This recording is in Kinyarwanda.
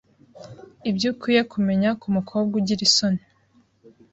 ibyo ukwiye kumenya ku mukobwa ugira isoni